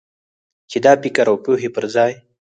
چې د فکر او پوهې پر ځای.